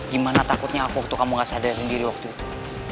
gimana takutnya aku waktu kamu gak sadar sendiri waktu itu